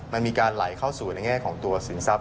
มันมีการไหลเข้าสู่ในแง่ของตัวสินทรัพย